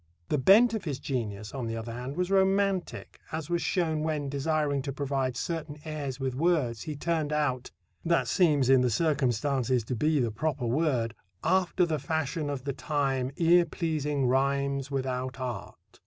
The bent of his genius, on the other hand, was romantic, as was shown when, desiring to provide certain airs with words, he turned out that seems, in the circumstances, to be the proper word "after the fashion of the time, ear pleasing rhymes without art."